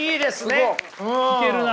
聞けるな。